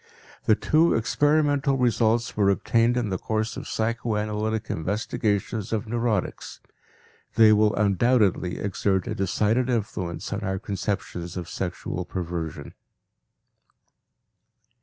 The two experimental results were obtained in the course of psychoanalytic investigations of neurotics; they will undoubtedly exert a decided influence on our conceptions of sexual perversion.